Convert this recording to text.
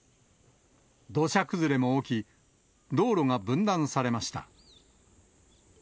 土砂崩れも起き、道路が分断されました。